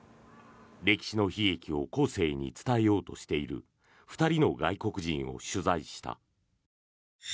歴史の悲劇を後世に伝えようとしている２人の外国人を取材した。